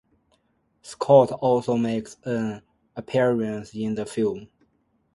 Scott also makes an appearance in the film.